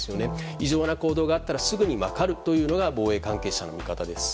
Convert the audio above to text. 異常な行動があればすぐに分かるというのが防衛関係者の見方です。